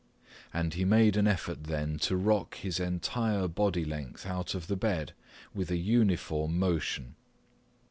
And he made an effort then to rock his entire body length out of the bed with a uniform motion.